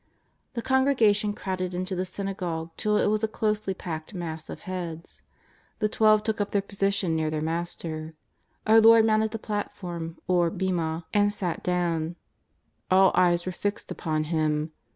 The congregation crowded into the synagogue till it was a closely packed mass of heads. The Twelve took up their position near their Master. Our Lord mounted the platform, or hima, and sat down. All eyes were fixed upon Him.